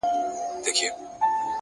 پرمختګ د ننني اقدام محصول دی!.